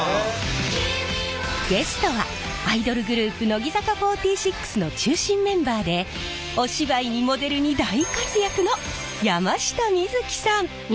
ゲストはアイドルグループ乃木坂４６の中心メンバーでお芝居にモデルに大活躍の山下美月さん！